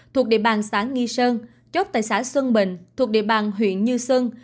thuộc địa bàn xã nghi sơn chốt tại xã xuân bình thuộc địa bàn huyện như xuân